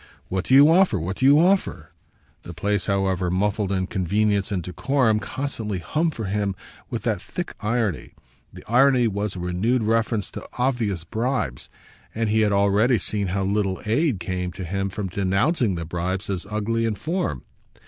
"What do you offer, what do you offer?" the place, however muffled in convenience and decorum, constantly hummed for him with that thick irony. The irony was a renewed reference to obvious bribes, and he had already seen how little aid came to him from denouncing the bribes as ugly in form.